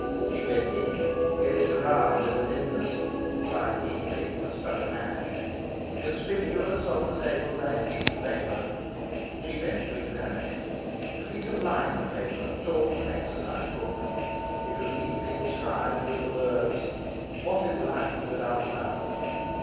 She went in, gazed around in the dimness, sighed deeply, and struck a match. Conspicuous on the table lay a piece of paper. She bent to examine it. A piece of lined paper, torn from an exercise book, it was neatly inscribed with the words "What is Life without Love?"